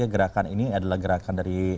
gerakan ini adalah gerakan dari